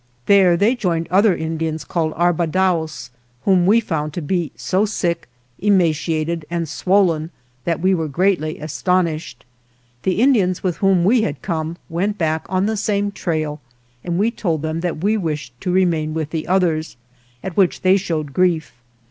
There they joined other Indians called Arbadaos, whom we found to be so sick, emaciated and swol len that we. were greatly astonished. The Indians with whom we had come went back on the same trail, and we told them that we wished to remain with the others, at which they showed grief.